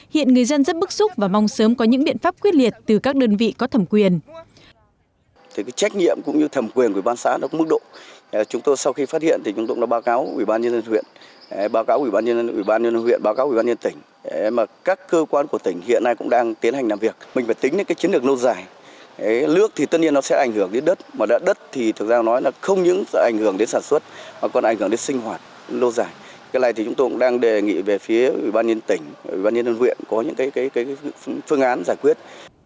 hiện người dân rất bức xúc và mong sớm có những biện pháp quyết liệt từ các đơn vị có thẩm quyền